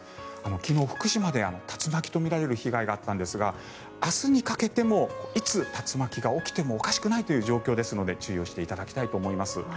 昨日、福島で竜巻とみられる被害があったんですが明日にかけてもいつ、竜巻が起きてもおかしくないという状況ですので注意をしていただきたいと思います。